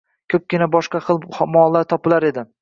Koʻpgina boshqa xil mollar topilar edi.